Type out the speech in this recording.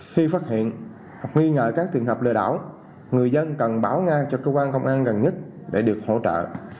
khi phát hiện hoặc nghi ngờ các trường hợp lừa đảo người dân cần bảo ngang cho cơ quan công an gần nhất để được hỗ trợ